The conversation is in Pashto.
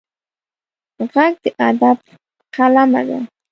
غږ د ادب قلمه ده